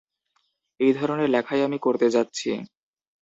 এই ধরনের লেখাই আমি করতে যাচ্ছি।